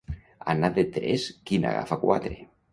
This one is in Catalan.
Anar de tres qui n'agafa quatre.